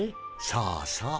そうそう。